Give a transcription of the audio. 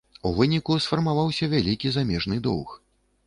У выніку сфармаваўся вялікі замежны доўг.